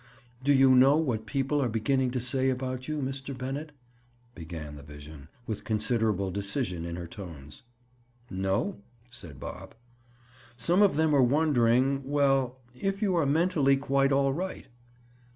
"Do you know what people are beginning to say about you, Mr. Bennett?" began the vision, with considerable decision in her tones. "No," said Bob. "Some of them are wondering—well, if you are mentally quite all right."